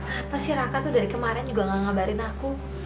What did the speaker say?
apa sih raka tuh dari kemarin juga gak ngabarin aku